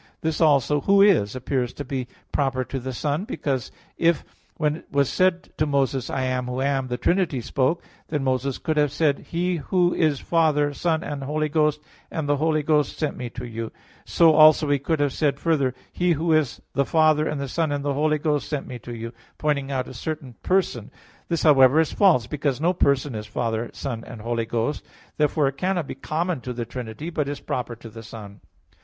This also, "Who is," appears to be proper to the Son; because if when it was said to Moses, "I am Who am," the Trinity spoke, then Moses could have said, "He Who is Father, Son, and Holy Ghost, and the Holy Ghost sent me to you," so also he could have said further, "He Who is the Father, and the Son, and the Holy Ghost sent me to you," pointing out a certain person. This, however, is false; because no person is Father, Son and Holy Ghost. Therefore it cannot be common to the Trinity, but is proper to the Son.